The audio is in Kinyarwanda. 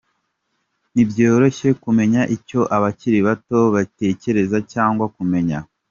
Ntibyoroshye kumenya icyo abakiri bato batekereza cyangwa kumenya.